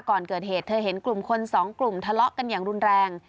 ก่อนเกิดเหตุเธอเห็นกลุ่มคนสองกลุ่มทะเลาะกันอย่างรุนแรง